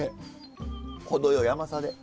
程良い甘さで。